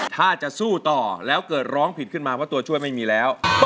ถ้าจะสู้ต่อแล้วเกิดร้องผิดขึ้นมาเพราะตัวช่วยไม่มีแล้ว